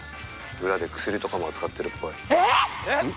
裏で薬とかも扱ってるっぽい。